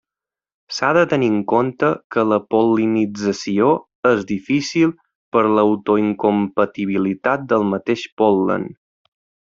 S'ha de tenir en compte que la pol·linització és difícil per l'autoincompatibilitat del mateix pol·len.